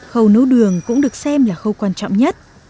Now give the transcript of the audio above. khâu nấu đường cũng được xem là khâu quan trọng nhất